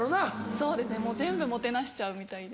そうですねもう全部もてなしちゃうみたいで。